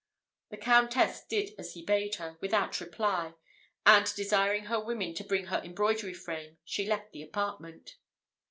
The Countess did as he bade her, without reply; and desiring her women to bring her embroidery frame, she left the apartment.